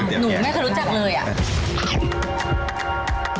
หนูไม่เคยรู้จักเลยอ่ะ